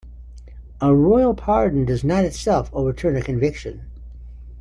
A royal pardon does not itself overturn a conviction.